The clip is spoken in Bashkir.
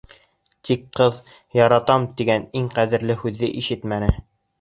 Тик ҡыҙ «яратам» тигән иң ҡәҙерле һүҙҙе ишетмәне.